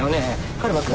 カルマ君！